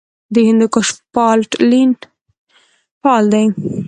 د هندوکش فالټ لاین فعال دی